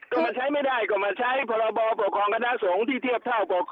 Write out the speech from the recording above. ก็มาใช้ไม่ได้ก็มาใช้พรบปกครองคณะสงฆ์ที่เทียบเท่า